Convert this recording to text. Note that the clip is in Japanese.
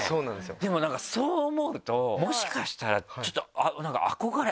でもなんかそう思うともしかしたらちょっと。